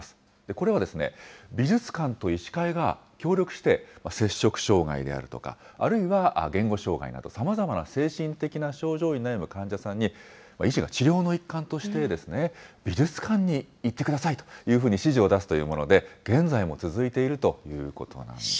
これは美術館と医師会が協力して、摂食障害であるとか、あるいは言語障害など、さまざまな精神的な症状に悩む患者さんに、医師が治療の一環としてですね、美術館に行ってくださいというふうに指示を出すというもので、現在も続いているということなんです。